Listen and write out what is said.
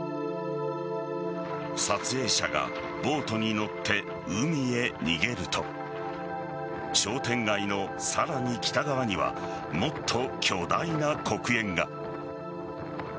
撮影者がボートに乗って海へ逃げると商店街のさらに北側にはもっと巨大な黒煙が。